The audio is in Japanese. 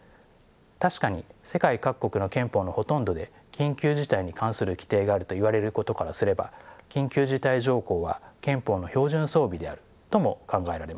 確かに世界各国の憲法のほとんどで緊急事態に関する規定があるといわれることからすれば緊急事態条項は憲法の標準装備であるとも考えられます。